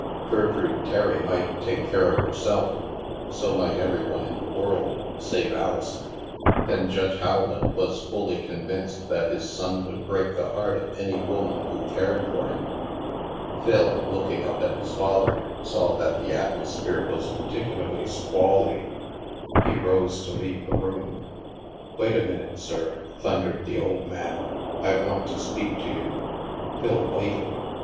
Gertrude Terry might take care of herself ; so might every one in the world, save Alison. And Judge Howland was fully con vinced that his son would break the heart of any woman who cared for him. Phil, looking up at his father, saw that the atmos 84 THE MASK phere was particularly squally. He rose to leave the room. Wait a minute, sir/' thundered the old man; I want to speak to you." Phil waited.